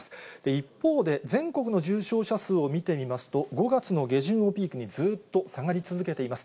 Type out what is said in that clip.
一方で、全国の重症者数を見てみますと、５月の下旬をピークに、ずっと下がり続けています。